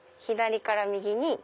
左から右に。